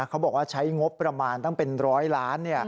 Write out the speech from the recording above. เขาบอกว่าใช้งบประมาณตั้งเป็นร้อยล้าน